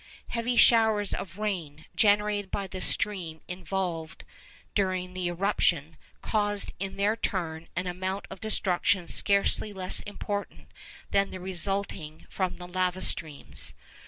Heavy showers of rain, generated by the steam evolved during the eruption, caused in their turn an amount of destruction scarcely less important than that resulting from the lava streams.